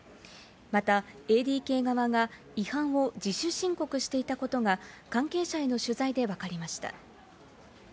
またＡＤＫ側が違反を自主申告していたことが関係者への取材でわかりました。